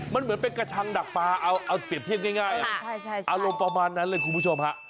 มันเหมือนเป็นกระชังดักปลาเอาเปรียบเทียบง่ายอารมณ์ประมาณนั้นเลยคุณผู้ชมฮะ